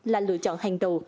là lựa chọn hàng đầu